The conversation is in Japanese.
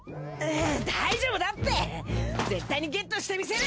大丈夫だって絶対にゲットしてみせる！